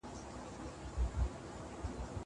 زه اجازه لرم چي ليک ولولم!